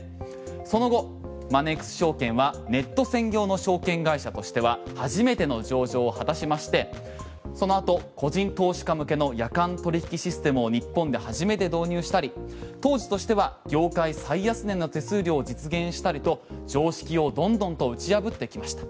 その後、マネックス証券はネット専業の証券会社としては初めての上場を果たしましてその後、個人投資家向けの夜間取引システムを日本で初めて導入したり、当時としては業界最安値の手数料を実現したりと常識をどんどんと打ち破ってきました。